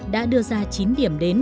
đã đưa ra chín điểm đến